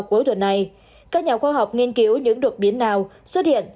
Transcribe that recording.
cuối tuần này các nhà khoa học nghiên cứu những đột biến nào xuất hiện